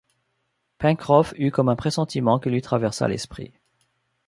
Pencroff eut comme un pressentiment qui lui traversa l’esprit